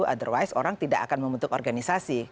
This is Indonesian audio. otherwise orang tidak akan membentuk organisasi